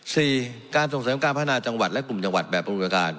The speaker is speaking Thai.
การส่งเสริมการพัฒนาจังหวัดและกลุ่มจังหวัดแบบบริการ